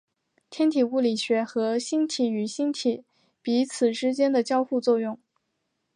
天体物理学和星体与星体彼此之间的交互作用。